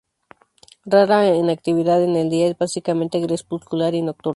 Raro en actividad en el día, es básicamente crepuscular y nocturno.